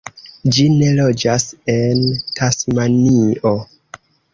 Ĝi ne loĝas en Tasmanio.